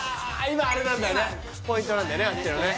今あれなんだよねポイントなんだよね